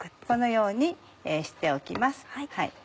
このようにしておきます。